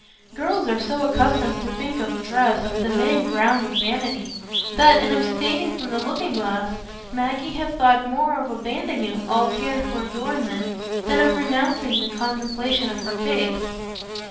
Girls are so accustomed to think of dress as the main ground of vanity, that, in abstaining from the looking glass, Maggie had thought more of abandoning all care for adornment than of renouncing the contemplation of her face.